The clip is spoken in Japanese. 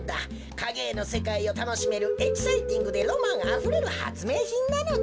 かげえのせかいをたのしめるエキサイティングでロマンあふれるはつめいひんなのだ。